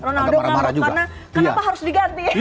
ronaldo ngambek karena kenapa harus diganti